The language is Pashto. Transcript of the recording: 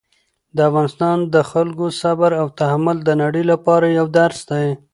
د افغانستان د خلکو صبر او تحمل د نړۍ لپاره یو درس دی.